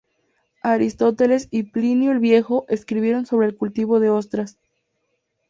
Aristóteles y Plinio el Viejo escribieron sobre el cultivo de ostras.